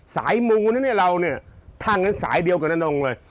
สายมูนะเนี่ยเราเนี่ยถ้างั้นสายเดียวกับนงเลย